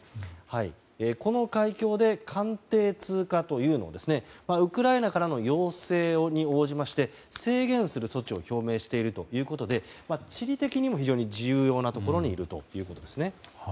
この海峡で艦艇通過というのをウクライナからの要請に応じまして制限する措置を表明しているということで地理的にも非常に重要なところにいるということですね。